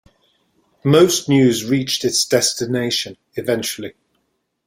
Most news reached its destination eventually.